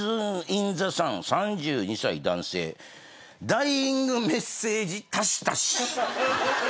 ダイイングメッセージ足し足し。